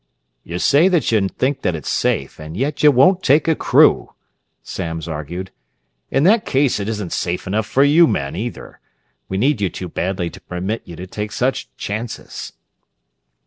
"You say that you think that it's safe, and yet you won't take a crew," Samms argued. "In that case it isn't safe enough for you men, either. We need you too badly to permit you to take such chances."